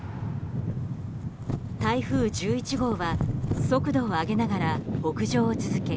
台風１１号は速度を上げながら北上を続け